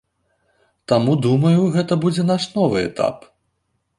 Таму, думаю, гэта будзе наш новы этап.